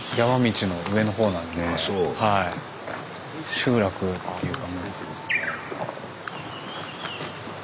集落っていうか。